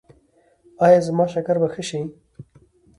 ایا زما شکر به ښه شي؟